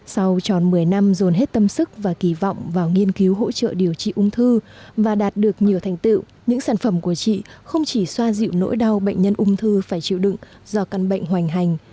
sau tròn một mươi năm dồn hết tâm sức và kỳ vọng vào nghiên cứu hỗ trợ điều trị ung thư và đạt được nhiều thành tựu những sản phẩm của chị không chỉ xoa dịu nỗi đau bệnh nhân ung thư phải chịu đựng do căn bệnh hoành hành